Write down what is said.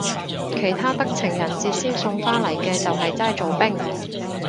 其他得情人節先送花嚟嘅就係齋做兵